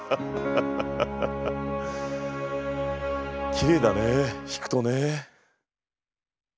きれいだね引くとね。